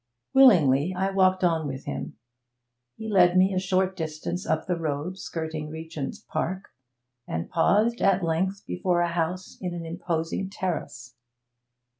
Willingly I walked on with him. He led me a short distance up the road skirting Regent's Park, and paused at length before a house in an imposing terrace.